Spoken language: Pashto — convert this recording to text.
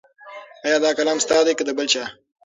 ایا دا قلم ستا دی که د بل چا؟